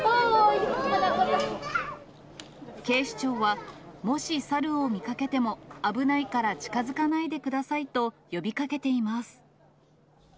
警視庁は、もし猿を見かけても、危ないから近づかないでくださいと呼びかけています。